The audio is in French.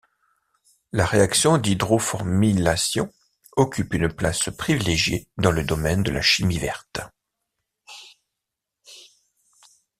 La réaction d’hydroformylation occupe une place privilégiée dans le domaine de la chimie verte.